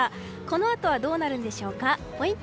このあとはどうなるんでしょうか。